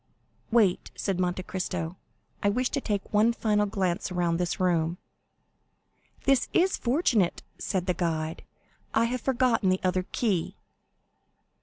"Wait," said Monte Cristo, "I wish to take one final glance around this room." "This is fortunate," said the guide; "I have forgotten the other key."